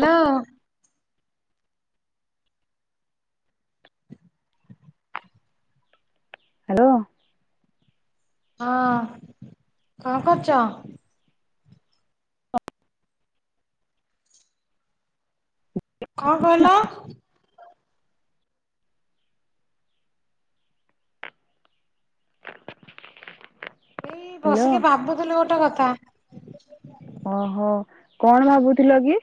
Hello. Hello. ହଁ କଣ କରୁଛ? କଁ କହିଲ? ଏଇ ହ୍ୟାଲୋ ବସିକି ଭାବୁଥିଲି ଗୋଟେ କଥା। ଓହୋ କଣ ଭାବୁଥିଲ କି?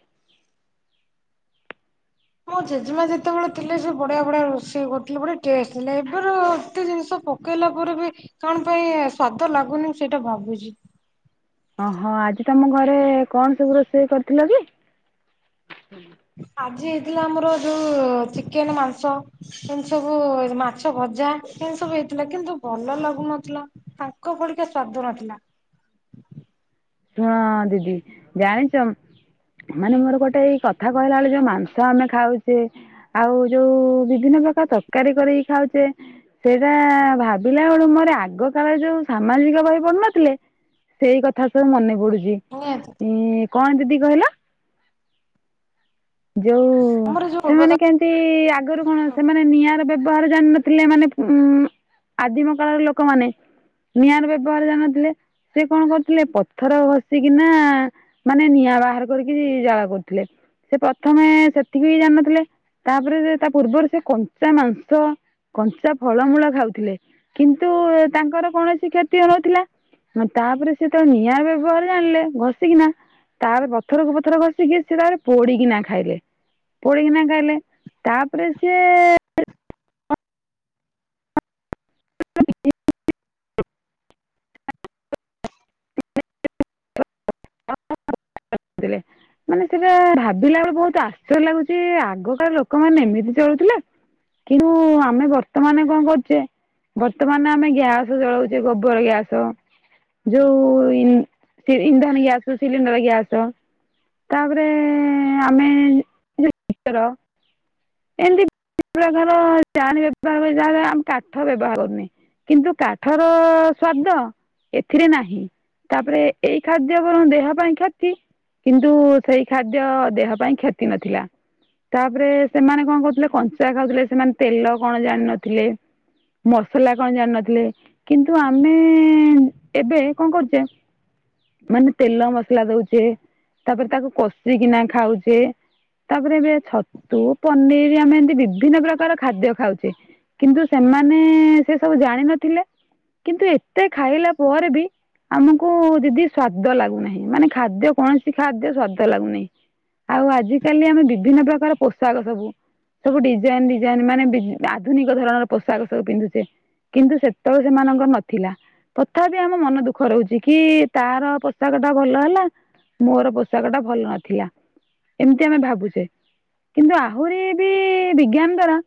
ମୋ ଜେଜେମା ଯେତେବେଳେ ଥିଲେ ସେ ବଢିଆ ବଢିଆ ରୋଷେଇ କରୁଥିଲେ ବଢିଆ ଟେଷ୍ଟ ଥିଲା ଏବେ ର ଏତେ ଜିନିଷ ପ ପକେଇଲା ପରେ ବି କଣ ପାଇଁ ସ୍ଵାଦ ଲାଗୁନି ମୁଁ ସେଇଟା ଭାବୁଛି। ଓହୋ ଆଜି ତମ ଘରେ କଣ ସବୁ ରୋଷେଇ କରିଥିଲ କି? ଆଜି ହେଇଥିଲା ଆମର ଯୋଉ ଚିକେନ, ମାଂସ। ଏମିତି ସବୁ ମାଛ ଭଜା ଏମିତି ସବୁ ହେଇଥିଲା କିନ୍ତୁ ଭଲ ଲାଗୁନଥିଲା। ତାଙ୍କ ପରିକା ସ୍ଵାଦ ନଥିଲା। ହଁ ଦିଦି ଜାଣିଛ ମାନେ ମୋର ଗୋଟେ ଏଇ କଥା କହିଲା ବେଳେ ଯୋଉ ମାଂସ ଆମେ ଖାଉଛେ ଆଉ ଯୋଉ ବିଭିନ୍ନ ପ୍ରକାର ତରକାରୀ କରିକି ଖାଉଛେ। ସେରା ଭାବିଲା ବେଳକୁ ମୋର ଆଗ କାଳ ଯୋଉ ସାମାଜିକ ବହି ପଢୁ ନ ଥିଲେ ସେଇ କଥା ସବୁ ମନେ ପଡୁଛି। [unintelligible] ଏଁ କଣ ଦିଦି କହିଲ? ଯୋଉ ଆମର ଯୋଉ ସେମାନେ ପୂର୍ବତ କେମ ତୀ ଆଗରୁ କଣ ସେମାନେ ନିଆଁର ବ୍ୟବହାର ଜାଣିନଥିଲେ ମାନେ ଉ ଆଦିମ କାଳର ଲୋକମାନେ ନିଆଁର ବ୍ୟବହାର ଜାଣି ନଥିଲେ। ସେ କଣ କରୁଥିଲେ ପଥର ଘଷିକିନା ମାନେ ନିଆଁ ବାହାର କରିକି ଜାଳ କରୁଥିଲେ। ସେ ପ୍ରଥମେ ସେତିକି ବି ଜାଣିନଥିଲେ, ତାପରେ ସେ ତା ପୂର୍ବରୁ ସେ କଞ୍ଚା ମାଂସ କଞ୍ଚା ଫଳମୂଳ ଖାଉଥିଲେ କିନ୍ତୁ ତାଙ୍କର କୌଣସି କ୍ଷତି ହୋଉନଥିଲା। ତାପରେ ସେ ତ ନିଆଁ ବ୍ୟବହାର ଜାଣିଲେ ଘଷିକିନା ତାର ପଥରକୁ ପଥର ଘଷିକି ସେ ତା ପୋଡିକିନା ଖାଇଲେ, ପୋଡିକିନା ଖାଇଲେ ତାପରେ ସିଏ [unintelligible] [unintelligible] ମାନେ ସେଟା ଭାବିଲା ବେଳକୁବହୁତ ଆଶ୍ଚର୍ଯ୍ୟ ଲାଗୁଛି ଆଗକାଳ ଲୋକମାନେଏମିତି ଚଳୁଥିଲେ? କିନ୍ତୁ ଆମେ ବର୍ତ୍ତମାନ କଣ କରୁଛେ? ବର୍ତ୍ତମାନ ଆମେ ଗ୍ୟାସ ଜଳଉଛେ ଗୋବର ଗ୍ୟାସ। ଯୋଉ ଇ ଇନ୍ଧନ ଗ୍ୟାସ ସିଲିଣ୍ଡର ଗ୍ୟାସ୍। ତାପରେ ଆମେ [unintelligible] ଏମିତି ବିଭି ପ୍ରକାର ଚା ବ୍ୟବହାର କରୁଛି ଯାହା ଆମେ କାଠ ବ୍ୟବହାର କରୁନେ? କିନ୍ତୁ କାଠର ସ୍ଵାଦ ଏଥିରେ ନାହିଁ ତାପରେ ଏଇ ଖାଦ୍ୟ ଦେହ ପାଇଁ କ୍ଷତି କିନ୍ତୁ ସେଇ ଖାଦ୍ୟ ଦେହ ପାଇଁ କ୍ଷତି ନଥିଲା। ତାପରେ ସେମାନେ କଣ କହୁଥିଲେ କଞ୍ଚା ଖାଉଥିଲେ ସେମାନେ ତେଲ କଣ ଜାଣିନଥିଲେ? ମସଲା କଣ ଜାଣିନଥିଲେ କିନ୍ତୁ ଆମେ ଏବେ କଣ କରୁଛେ? ମାନେ ତେଲ ମସଲା ଦଉଛେ ତାପରେ ତାକୁ କଷିକିନା ଖାଉଛେ। ତାପରେ ଏବେ ଛତୁ ପନିର ଆମେ ଏମତି ବିଭିନ୍ନ ପ୍ରକାର ଖାଦ୍ୟ ଖାଉଛେ। କିନ୍ତୁ ସେମାନେ ସେ ସବୁ ଜାଣିିନଥିଲେ? କିନ୍ତୁ ଏତେ ଖାଇଲା ପରେ ବି ଆମକୁ ଯଦି ସ୍ଵାଦ ଲାଗୁନାହିଁ ମାନେ ଖାଦ୍ୟ କୌଣସି ଖାଦ୍ୟ ସ୍ଵାଦ ଲାଗୁନି? ଆଉ ଆଜିକାଲି ଆମେ ବିଭିନ୍ନ ପ୍ରକାର ପୋଷାକ ସବୁ। ସବୁ ଡିଜାଇନ ଡିଜାଇନ ମାନେ ବି ଆଧୁନିକ ଧରଣର ପୋଷାକ ସବୁ ପିନ୍ଧୁଛେ? କିନ୍ତୁ ସେତେବେଳେ ସେମାନଙ୍କର ନଥିଲା ତଥାପି ଆମ ମନ ଦୁଃଖ ରହୁଛି କି? ତାର ପୋଷାକ ଟା ଭଲ ହେଲା ମୋର ପୋଷାକ ଟା ଭଲ ନଥିଲା? ଏମିତି ଆମେ ଭାବୁଛେ କିନ୍ତୁ ଆହୁରି ବି ବିଜ୍ଞାନ ଦ୍ଵାରା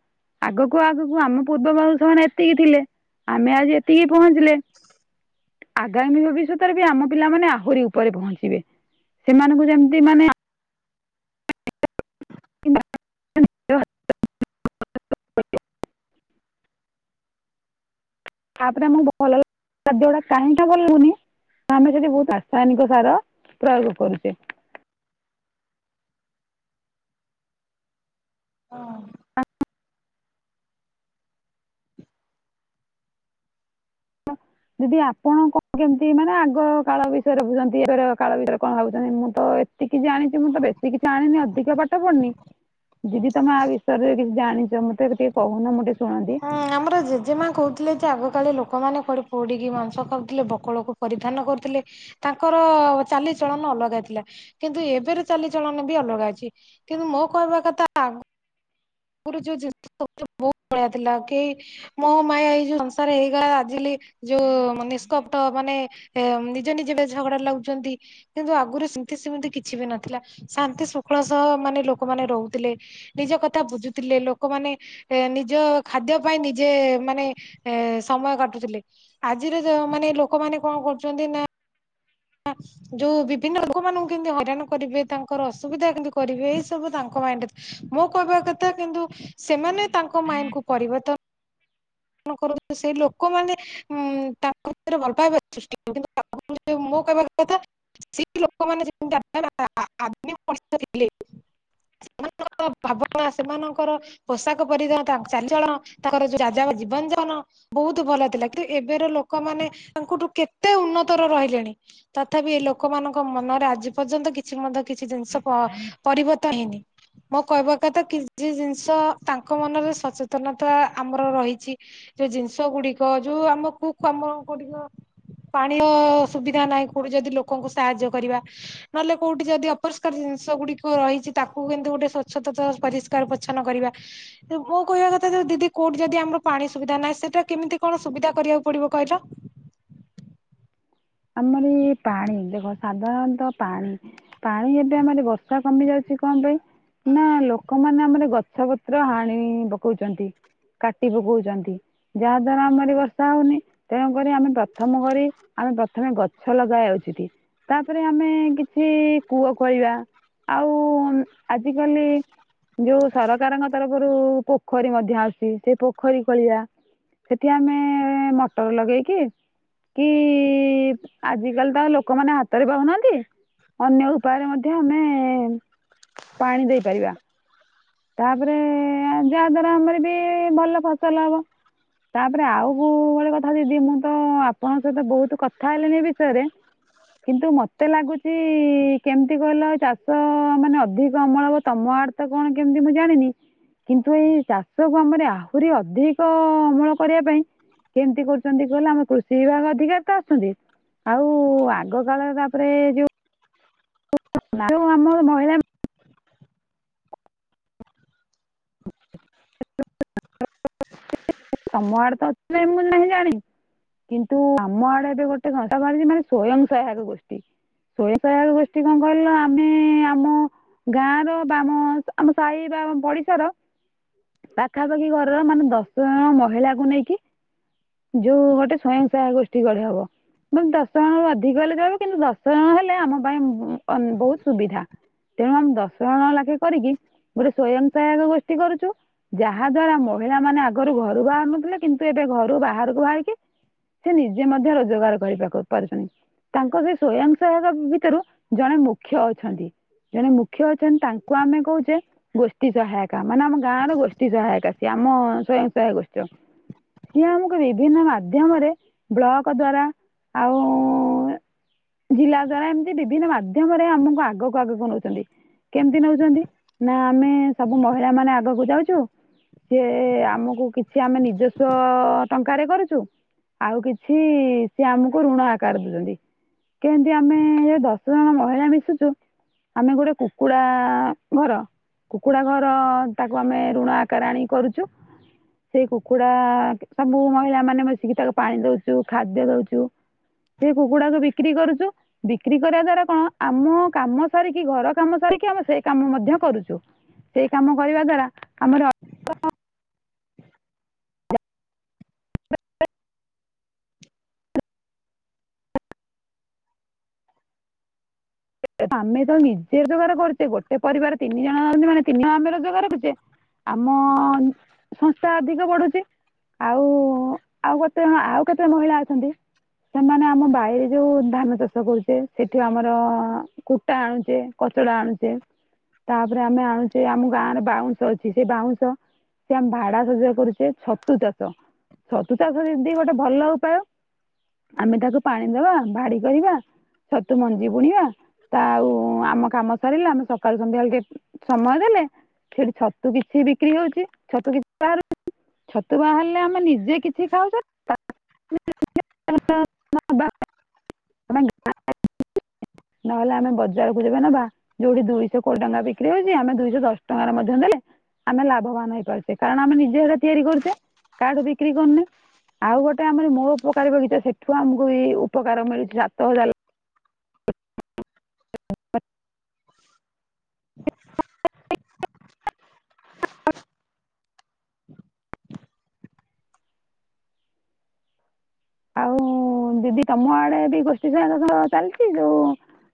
ଆଗକୁ ଆଗକୁ ଆମ ପୂର୍ବ ପୁରୁଷ ମାନେ ଏତିକି ଥିଲେ ଆମେ ଆଜି ଏତିକି ପହଞ୍ଚିଲେ? ଆଗାମୀ ଭବିଷ୍ୟତ ରେ ବି ଆମ ପିଲାମାନେ ଆହୁରି ଉପରେ ପହଞ୍ଚିବେ ସେମାନଙ୍କୁ ଯେମିତି ମାନେ [unintelligible] [inaudible] ତାପରେ ଆମକୁ ଭଲ ଲାଗ ଖାଦ୍ୟ ଗୁଡ଼ା କାହିଁକି ଭଲ ଲାଗୁନି? ଆମେ ସେଠି ବହୁତ ରାସାୟନିକ ସାର ପ୍ରୟୋଗ କରୁଛେ? ହଁ। ଆ, ଯଦି ଆପଣ କଣ କେମିତି ମାନେ ଆଗ କାଳ ବିଷୟରେ ଭାବୁଛନ୍ତି ଏ କାଳ ବିଷୟରେ କଣ ଭାବୁଛନ୍ତି ମୁଁ ତ ଏତି ଟିକେ ଜାଣିଛି ମୁଁ ତ ବେଶୀ କିଛି ଜାଣିନି ଅଧିକ ପାଠ ପଢିନି? ଦିଦି ତମେ ଆ ବିଷୟରେ କିଛି ଜାଣିଛ ମୁଁ ତ ଟିକେ କହୁନ ମୁଁ ଟିକେ ଶୁଣନ୍ତି? ହଁ ଆମର ଜେଜେମା କହୁଥିଲେ ଯେ ଆଗ କାଳର ଲୋକମାନେ କୁଆେଡପୋଡିକି ମାଂସ ଖାଉଥିଲେ ବକଳକୁ? ପରିଧାନ କରୁଥିଲେ ତାଙ୍କର ଚାଲିଚଳନ ଅଲଗା ଥିଲା। କିନ୍ତୁ? ଏବେର ଚାଲିଚଳନା ବି ଅଲଗା ଅଛି କିନ୍ତୁ? ମୋ କହିବା କଥା ମୋର ଯୋଉ ଜିନିଷ ବହୁ ବଢିଆ ଥିଲା କେ ମୋ ମାୟା ଏଇ ଯୋଉ ସଂସାର ହେଇଗଲା ଆଜିଲି। ଯୋଉ ନିଷ୍କପ୍ଟ ମାନେ ନିଜ ନିଜେ ଭିତରେ ଝଗଡା ଲାଗୁଛନ୍ତି। କିନ୍ତୁ ଆଗରୁ ସେମତି ସେମିତି କିଛି ବି ନଥିଲା ଶାନ୍ତି ଶୃଙ୍ଖଳା ସହ ମାନେ ଲୋକମାନେ ରହୁଥିଲେ। ନିଜ କଥା ବୁଝୁଥିଲେ ଲୋକମାନେ ଏ ନିଜ ଖାଦ୍ୟ ପାଇଁ ନିଜେ ମାନେ ସମୟ କାଟୁଥିଲେ। ଆଜିର ଯ ମାନେ ଲୋକମାନେ କଣ କରୁଛନ୍ତି ନା ନା ଯୋଉ ବିଭିନ୍ନ ଲୋକ ମାନଙ୍କୁ କେମତି ହଇରାଣ କରିବେ ତାଙ୍କର ଅସୁବିଧା କେତି କରିବେ ଏଇ ସବୁ ତାଙ୍କ ମାଇଣ୍ଡରେ ମୋ କହିବା କଥା କିନ୍ତୁ ସେମାନେ ତାଙ୍କ ମାଇଣ୍ଡ କୁ ପରିବର୍ତ୍ତନ କରନ୍ତୁ ସେଇ ଲୋକମାନେ ଉଁ ତାଙ୍କ ଭିତରେ ଭଲ ପାଇବା ସୃଷ୍ଟି ହଉ କିନ୍ତୁ ମୋ କହିବା କଥା ସେ ଲୋକମାନେ ଯେମିତି [unintelligible] ସେମାନଙ୍କ ଭାବନା ସେମାନଙ୍କର ପୋଷାକ ପରି [unintelligible] ତାଙ୍କର ଚାରିଚଳନ ତାଙ୍କର ଯୋଉ [unintelligible] ବ୍ୟଜନ। ବହୁତ ଭଲ ଥିଲା କିନ୍ତୁ ଏବେର ଲୋକମାନେ ତାଙ୍କଠୁ କେତେ ଉନ୍ନତର ରହିଲେଣି। ତଥାପି ଏ ଲୋକମାନଙ୍କ ମନରେ ଆଜି ପର୍ଯ୍ୟନ୍ତ କିଛି ମଧ୍ୟ କିଛି ଜିନିଷ ପ-ପରିବର୍ତ୍ତ ହେଇନି। ମୋ କଇବା କଥା କିଛି ଜିନିଷ ତାଙ୍କ ମନରେ ସଚେତନତା ଆମର ରହିଚି। ଯୋଉ ଜିନିଷ ଗୁଡିକ ଯୋଉ ଆମକୁ କାମ [unintelligible] ପାଣିର ସୁବିଧା ନାହିଁ କୋଉଠି ଯଦି ଲୋକଙ୍କୁ ସାହାଯ୍ୟ କରିବା। ନହେଲେ କୋଉଠି ଯଦି ଅପରିଷ୍କାର ଜିନିଷ ଗୁଡିକ ରହିଚି ତାକୁ କିନ୍ତୁ ଗୋଟେ ସ୍ଵଚ୍ଛତତା ପରିଷ୍କ କାର ପରିଚ୍ଛନ୍ନ କରିବା ମୋ କହିବା କଥା ଯୋଉ ଦିଦି କୋଉଠି ଯଦି ଆମର ପାଣି ସୁବିଧା ନାହିଁ ସେଇଟା କେମିତି କଣ ସୁବିଧା କରିବାକୁ ପଡିବ କହିଲ? ଆମର ଇଏ ପାଣି ଦେଖ ସାଧାରଣତଃ ପାଣି ପାଣି ଏବେ ଆମର ବର୍ଷା କମି ଯାଉଛି କଣ ପାଇଁ? ନା ଲୋକମାନେ ଆମର ଗଛ ପତ୍ର ହାଣି ପକଉଚନ୍ତି। କାଟି ପକଉଚନ୍ତି। ଯାହା ଦ୍ଵାରା ଆମରି ବର୍ଷା ହଉନି ତେଣୁକରି ଆମେ ପ୍ରଥମ କରି ଆମେ ପ୍ର ଥମେ ଗଛ ଲଗାଉଚିତ ତାପରେ ଆମେ କିଛି କୂଅ ଖୋଳିବା। ଆଉ ଆଜିକାଲି ଯୋଉ ସରକାରଙ୍କ ତରଫରୁ ପୋଖରୀ ମଧ୍ୟ ଆସୁଚି ସେଇ ପୋଖରୀ ଖୋଳିବା। ସେଠି ଆମେ ମଟର ଲଗେଇକି କି ଆଜିକାଲି ତ ଆଉ ଲୋକମାନେ ହାତରେ ବାହୁନାହାନ୍ତି। ଅନ୍ୟ ଉପାୟରେ ମଧ୍ୟ ଆମେ ପାଣି ଦେଇପାରିବା। ତାପରେ ଯାହା ଦ୍ଵାରା ଆମର ବି ଭଲ ଫସଲ ହବ। ତାପରେ ଆଉ କୋଉ [unintelligible] କଥା ଦିଦି ମୁଁ ତ ଆପଣଙ୍କ ସହିତ ବହୁତ କ ଥା ହେଲିଣି ଏଇ ବିଷୟ ରେ। କିନ୍ତୁ ମତେ ଲାଗୁଚି କେମିତି କଇଲ ଏଇ ଚାଷ ମାନେ ଅଧିକ ଅମଳ ହେବ ତମ ଆଡ଼ ତ କଣ କେମିତି ମୁଁ ଜାଣିନି। କିନ୍ତୁ ଏଇ ଚାଷ କୁ ଆମରି ଆହୁରି ଅଧିକ ଅମଳ କରିବା ପାଇଁ କେମିତି କରୁଚନ୍ତି କହିଲ ଆମ କୃଷି ବିଭାଗ ଅଧିକାର ତ ଛନ୍ତି ଆଉ ଆଗ କାଳର ତାପରେ ଯୋଉ ଯୋଉ ଆମର ମହିଳା ତମ ଆଡେ ତ ଅଛି ନାହିଁ ମୁଁ ନାହିଁ ଜାଣି କିନ୍ତୁ ଆମ ଆଡେ ଏବେ ଗୋଟେ ଘଣ୍ଟା ବଜୁଛି ମାନେ ସ୍ଵୟଂ ସହାୟକ ଗୋଷ୍ଠୀ ସ୍ଵୟ ସହାୟକ ଗୋଷ୍ଠୀ କଣ କହିଲ ଆମେ ଆମ ଗାଁ ର ବା ଆମ ଆମ ସାହି ବା ଆମ ପଡିଶାର ପାଖାପାଖି ଘରର ମାନେ ଦଶ ଜଣ ମହିଳାକୁ ନେଇକି ଯୋଉ ଗୋଟେ ସ୍ଵୟଂ ସହାୟ ଗୋଷ୍ଠୀ ଗଢ଼ି ହବ। ଏବଂ ଦଶ ଜଣ ରୁ ଅଧିକ ହେଲେ [unintelligible] କିନ୍ତୁ ଦଶ ଜଣ ହେଲେ ଆମ ପାଇଁ ଅ ବହୁତ ସୁବିଧା। ତେଣୁ ଆମେ ଦଶ ଜଣ ଲାଖେ କରିକି ଗୋଟେ ସ୍ଵୟଂ ସହାୟକ ଗୋଷ୍ଠୀ କରୁଛୁ। ଯାହା ଦ୍ଵାରା ମହିଳା ମାନେ ଆଗରୁ ଘରୁ ବାହାରାରୁ ନଥିଲେ କିନ୍ତୁ ଏବେ ଘରୁ ବାହାରକୁ ବାହାରିକି ସେ ନିଜେ ମଧ୍ୟ ରୋଜଗାର କରିବାକୁ ପାରୁଛନ୍ତି। ତାଙ୍କ ସେ ସ୍ଵୟଂ ସହାୟକ ଭିତରୁ ଜଣେ ମୁଖ୍ୟ ଅଛନ୍ତି। ଜଣେ ମୁଖ୍ୟ ଅଛନ୍ତି ତାଙ୍କୁ ଆମେ କହୁଛେ ଗୋଷ୍ଠୀ ସହାୟ କା ମାନେ ଆମ ଗାଁ ର ଗୋଷ୍ଠୀ ସହାୟିକା ସିଏ ଆମ ସୟଂ ସହାୟକ ଗୋଷ୍ଠୀ ର। ସିଏ ଆମକୁ ବିଭିନ୍ନ ମାଧ୍ୟମରେ ବ୍ଲକ ଦ୍ଵାରା ଆଉ ଜିଲ୍ଲା ଦ୍ଵାରା ଏମିତି ବିଭିନ୍ନ ମାଧ୍ୟମରେ ଆମୁକୁ ଆଗକୁ ଆଗକୁ ନଉଚନ୍ତି। କେମିତି ନଉଚନ୍ତି ନା ଆମେ ସବୁ ମହିଳା ମାନେ ଆଗକୁ ଯାଉଚୁ ସେ ଆମକୁ କିଛି ଆମେ ନିଜସ୍ୱ ଟଙ୍କାରେ କରୁଛୁ। ଆଉ କିଛି ସିଏ ଆମକୁ ଋଣ ଆକାର ଦଉଚନ୍ତି। କେମିତି ଆମେ ଏ ଦଶ ଜଣ ମହିଳା ମିଶୁଚୁ ଆମେ ଗୋଟେ କୁକୁଡ଼ା ଘର କୁକୁଡ଼ା ଘର ଟାକୁ ଆମେ ଋଣ ଆକାରେ ଆଣିକି କରୁଚୁ। ସେଇ କୁକୁଡା ସବୁ ମହିଳା ମାନେ ମିସିକି ତାକୁ ପାଣି ଦଉଚୁ ଖାଦ୍ୟ ଦଉଚୁ। ସେଇ କୁକୁଡାକୁ ବିକ୍ରି କରୁଚୁ ବିକ୍ରି କରିବା ଦ୍ଵାରା କଣ ଆମ କାମ ସାରିକି ଘର କାମ ସାରିକି ଆମେ ସେଇ କାମ ମଧ୍ୟ କରୁଚୁ। ସେଇ କାମ କରିବା ଦ୍ଵାରା ଆମର [inaudible] ଆମେ ତ ନିଜେ ରୋଜଗାର କରୁଚେ ଗୋଟେ ପରିବାର ତିନି ଜଣ [unintelligible] ମାନେ ତିନି [unintelligible] ଆମେ ରୋଜଗାର କରୁଚେ ଆମ ସଂସ୍ଥା ଅଧିକ ବଢୁଚି। ଆଉ ଆଉ କେତେଜଣ ଆଉ କେତେ ମହିଳା ଅଛନ୍ତି ସେମାନେ ଆମ ବାଇରେ ଯୋଉ ଧାନ ଚାଷ କରୁଚେ ସେଠି ଆମର କୁଟା ଆଣୁଚେ କଚଡ଼ା ଆଣୁଚେ ତାପରେ ଆମେ ଆଣୁଚେ ଆମ ଗାଁରେ ବାଉଁଶ ଅଛି ସେ ବାଉଁଶ ସେ ଆମେ ଭାଡା ସଜା କରୁଚେ ଛତୁ ଚାଷ ଛତୁ ଚାଷ ଯେମତି ଗୋଟେ ଭଲ ଉପାୟ ଆମେ ତାକୁ ପାଣି ଦବା, ଭାଡି କରିବା, ଛତୁ ମଞ୍ଜି ବୁଣିବା ତା ଆଉ ଆମ କାମ ସରିଲେ ଆମେ ସକାଳୁ ସନ୍ଧ୍ୟାବେଳେ ଟିକେ ସମୟ ଦେଲେ ସେଠି ଛତୁ କିଛି ବିକ୍ରି ହୋଉଛି ଛତୁ କିଛି ବାହାରୁଚି ଛତୁ ବାହାରିଲେ ଆମେ ନି ଜେ କିଛି ଖାଉଚ [inaudible] ନହେଲେ ଆମେ ବଜାରକୁ ଯିବା ନବା ଯୋଉଠି ଦୁଇଶ କୋଡିଏ ଟଙ୍କା ବିକ୍ରି ହୋଉଚି ଆମେ ଦୁଇଶ ଦଶ ଟଙ୍କାରେ ମଧ୍ୟ ଦେଲେ ଆମେ ଲାଭବାନ ହେଇପାରୁଚେ କାରଣ ଆମେ ନିଜେ ହେରା ତିଆରି କରୁଚେ କାହାଠୁ ବିକ୍ରି କରୁନେ ଆଉ ଗୋଟେ ଆମର ମୋ ଉପକାରୀ ବଗିଚା ସେଠୁ ଆମକୁ ବି ଉପକାର ମିଳୁଚି ସାତ ହଜାର ଲ୍ [inaudible] [inaudible] [inaudible] ଆଉ ଦିଦି ତମ ଆଡେ ବି ଗୋଷ୍ଠୀ ସହାୟକ ସଂଘ ଚାଲିଚି ଯୋଉ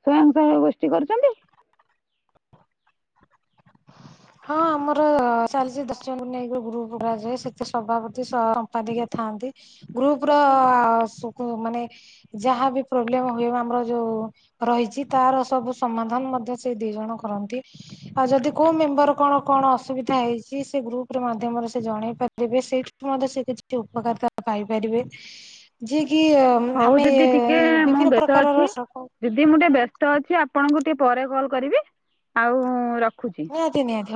ସ୍ୱୟଂ ସହାୟ ଗୋଷ୍ଠୀ କରୁଚନ୍ତି? ହଁ ଆମର ଚାଲିଚି ଦଶ ଜଣକୁ ନେଇ ଗ୍ରୁପ କରାଯାଏ ସେଥିରେ ସଭାପତି ସହମ୍ପାଦିକା ଥାଆନ୍ତି। ଗ୍ରୁପର ସବୁ ମାନେ ଯାହାବି ପ୍ରୋବ୍ଲେମ ହୁଏ ଆମର ଯୋଉ ରହିଚି ତାର ସବୁ ସମାଧାନ ମଧ୍ୟ ସେଇ ଦିଇ ଜଣ କରନ୍ତି ଆଉ ଯଦି କୋଉ ମେମ୍ବର କଣ କଣ ଅସୁବିଧା ହେଇଚି ସେ ଗ୍ରୁପରେ ମାଧ୍ୟମରେ ସେ ଜଣେଇ ପାରିବେ ସେଇଠୁ ମଧ୍ୟ ସେ କିଛି ଉପକାରତା ପାଇପାରିବେ ଯିଏକି ଅ ହଉ ଆମେ ଦିଦି ଟିକେ ଏ ମୁଁ ବିଭିନ୍ନ ବ୍ୟସ୍ତ ଅଛି। ପ୍ରକାରର ସ୍ରକ ଦିଦି ମୁଁ ଟିକେ ବ୍ୟସ୍ତ ଅଛି ଆପଣଙ୍କୁ ଟିକେ ପରେ କଲ୍ କରିବି ଆଉ ରଖୁଚି। ନିହାତି ନିହାତି ହ